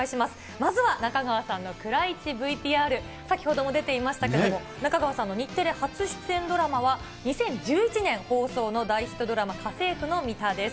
まずは中川さんの蔵イチＶＴＲ、先ほども出ていましたけれども、中川さんの日テレ初出演ドラマは、２０１１年放送の大ヒットドラマ、家政婦のミタです。